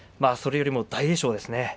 それよりも大栄翔ですね。